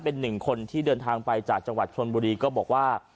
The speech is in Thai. เป็นหนึ่งคนที่เดินทางไปจากจังหวัดชนบุรีก็บอกว่า